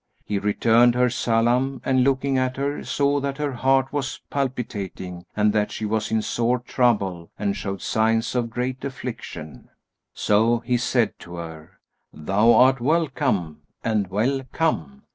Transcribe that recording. He returned her salam and looking at her, saw that her heart was palpitating and that she was in sore trouble and showed signs of great affliction: so he said to her, "Thou art welcome and well come!